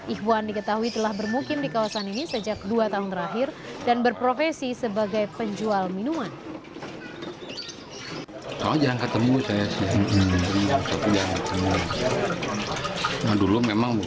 ihwan diketahui telah bermukim di kawasan ini sejak dua tahun terakhir dan berprofesi sebagai penjual minuman